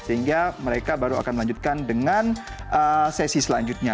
sehingga mereka baru akan melanjutkan dengan sesi selanjutnya